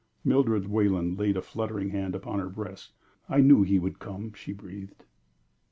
Mildred Wayland laid a fluttering hand upon her breast. "I knew he would come," she breathed.